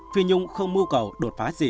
phi nhung không mưu cầu đột phá gì